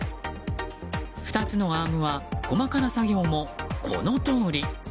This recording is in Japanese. ２つのアームは細かな作業もこのとおり。